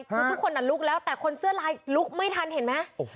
ทุกนั้นลุกแล้วแต่คนเสื้อร้ายลุกไม่ทันเห็นไหม